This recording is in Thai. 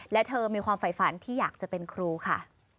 และเธอมีความฝ่ายฝันที่อยากจะเป็นครูค่ะ